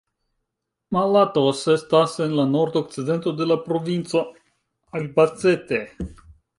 Alatoz estas en la nordokcidento de la provinco Albacete.